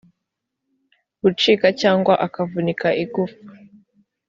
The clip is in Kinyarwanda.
gucika cyangwa akavunika igufwa